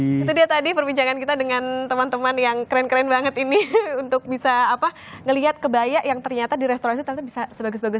itu dia tadi perbincangan kita dengan teman teman yang keren keren banget ini untuk bisa melihat kebaya yang ternyata di restorasi ternyata bisa sebagus bagus